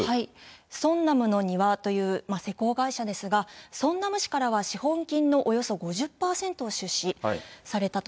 ソンナムの庭という施工会社ですが、ソンナム市からは資本金のおよそ５０％を出資されたと。